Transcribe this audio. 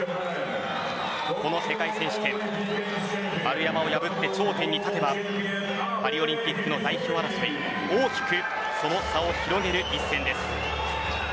この世界選手権丸山を破って頂点に立てばパリオリンピックの代表争い大きく、その差を広げる一戦です。